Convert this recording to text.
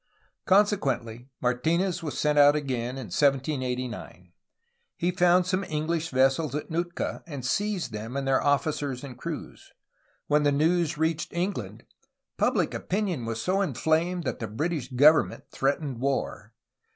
Consequently, Martinez was sent out again in 1789. He found some English vessels at Nootka, and seized them and their officers and crews. When the news reached England, public opinion was so inflamed that the British government threatened war.